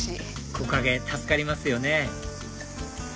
木陰助かりますよね